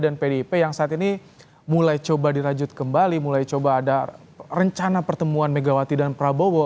pdip yang saat ini mulai coba dirajut kembali mulai coba ada rencana pertemuan megawati dan prabowo